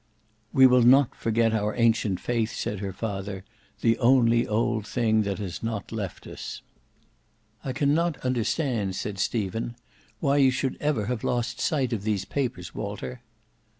"We will not forget our ancient faith," said her father, "the only old thing that has not left us." "I cannot understand," said Stephen, "why you should ever have lost sight of these papers, Walter."